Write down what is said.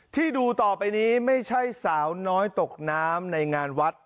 ที่ดูต่อไปนี้ไม่ใช่สาวน้อยตกน้ำในงานวัด